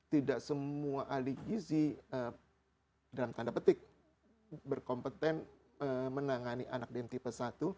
tidak semua ahli gizi dalam tanda petik berkompeten menangani anak dan tipe satu